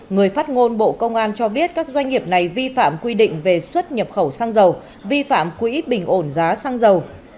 người phát ngôn bộ công an cho biết các doanh nghiệp này vi phạm quy định về xuất nhập khẩu xăng dầu vi phạm quỹ bình ổn giá xăng dầu